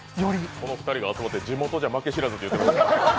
この２人が集まって、地元じゃ負け知らずと言われていた。